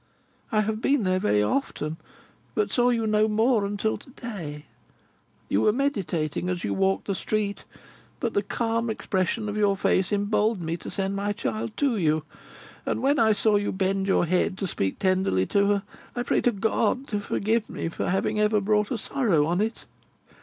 I have been there very often, but saw you no more until to day. You were meditating as you walked the street, but the calm expression of your face emboldened me to send my child to you. And when I saw you bend your head to speak tenderly to her, I prayed to GOD to forgive me for having ever brought a sorrow on it.